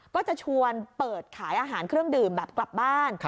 ก็จะชวนเปิดขายอาหารเครื่องดื่มแบบกลับบ้าน